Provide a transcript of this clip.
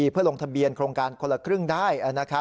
เพื่อลงทะเบียนโครงการคนละครึ่งได้